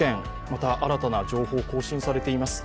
また新たな情報、更新されています